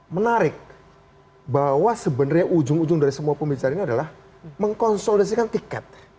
menarik bahwa sebenarnya ujung ujung dari semua pembicaraan ini adalah mengkonsolidasikan tiket